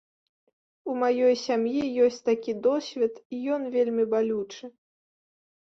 У маёй сям'і ёсць такі досвед, і ён вельмі балючы.